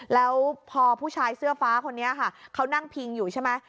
แล้วพอผู้ชายเสื้อฟ้าคนนี้ค่ะเขานั่งพิงอยู่ใช่ไหม